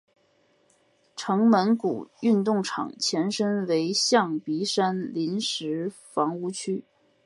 城门谷运动场前身为象鼻山临时房屋区。